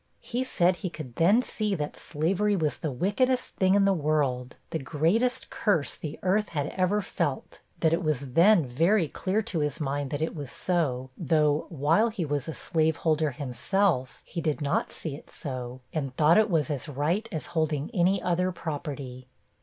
He said he could then see that 'slavery was the wickedest thing in the world, the greatest curse the earth had ever felt that it was then very clear to his mind that it was so, though, while he was a slaveholder himself, he did not see it so, and thought it was as right as holding any other property.'